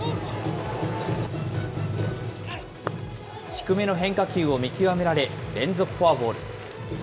低めの変化球を見極められ、連続フォアボール。